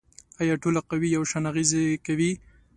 آیا ټولې قوې یو شان اغیزې کوي؟